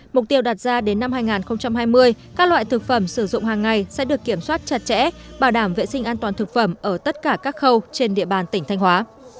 mục tiêu đạt ra đến năm hai nghìn hai mươi các loại thực phẩm sử dụng hàng ngày sẽ được kiểm soát chặt chẽ bảo đảm vệ sinh an toàn thực phẩm ở tất cả các khâu trên địa bàn tỉnh thanh hóa